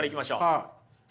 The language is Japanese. はい。